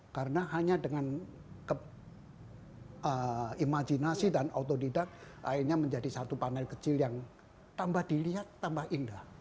karena hanya dengan imajinasi dan otodidak akhirnya menjadi satu panel kecil yang tambah dilihat tambah indah